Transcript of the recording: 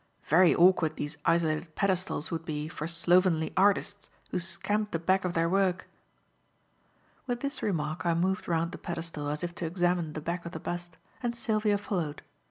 "Very awkward these isolated pedestals would be for slovenly artists who scamp the back of their work." With this remark I moved round the pedestal as if to examine the back of the bust, and Sylvia followed.